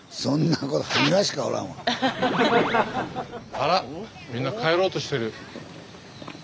あらっみんな帰ろうとしてる。